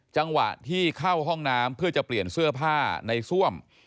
จังหวะที่เข้าห้องน้ำเพื่อจะเปลี่ยนเสื้อผ้าในซ่วม